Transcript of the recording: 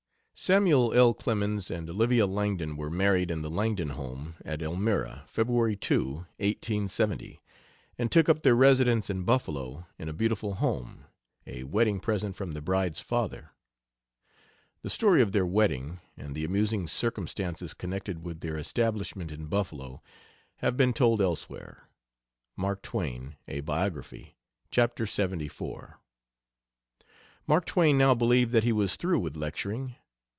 Samuel L. Clemens and Olivia Langdon were married in the Langdon home at Elmira, February 2, 1870, and took up their residence in Buffalo in a beautiful home, a wedding present from the bride's father. The story of their wedding, and the amusing circumstances connected with their establishment in Buffalo, have been told elsewhere. [Mark Twain: A Biography, chap. lxxiv.] Mark Twain now believed that he was through with lecturing.